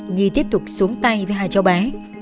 nhi tiếp tục xuống tay với hai cháu bé